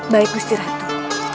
baik gusti ratu